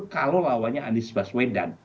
kalau lawannya anies baswedan